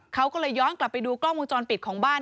เขาก็เลยย้อนกลับไปดูกล้องวงจรปิดของบ้าน